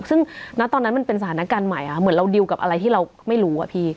ซึ่งณตอนนั้นมันเป็นสถานการณ์ใหม่เหมือนเราดิวกับอะไรที่เราไม่รู้อะพี่